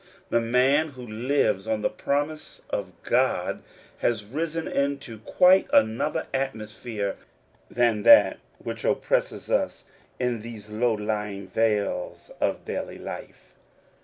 The man who lives on the promise of God has risen into quite another atmos phere than that which oppresses us in these low lying vales of daily life.